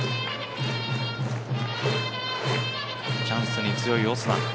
チャンスに強いオスナ。